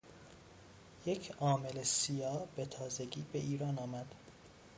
یک عامل سیا به تازگی به ایران آمد.